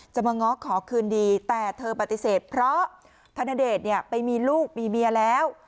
มาง้อขอคืนดีแต่เธอปฏิเสธเพราะธนเดชเนี่ยไปมีลูกมีเมียแล้ว